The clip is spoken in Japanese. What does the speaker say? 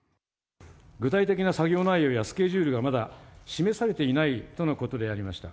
具体的な作業内容やスケジュールがまだ示されていないとのことでありました。